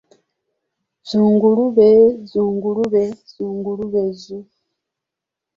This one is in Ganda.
Zzungulube zzungulube zzungulube zzu.